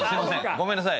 ごめんなさい。